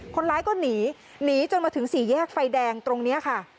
คนร้ายก็หนีหนีจนมาถึงสี่แยกไฟแดงตรงนี้ค่ะ